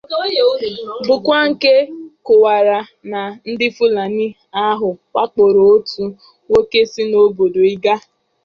bụkwa nke kọwara na ndị Fulani ahụ wakporo otu nwoke si n'obodo Igga